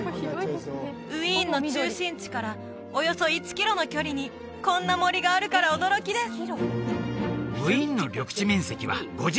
ウィーンの中心地からおよそ１キロの距離にこんな森があるから驚きですもあるんだよ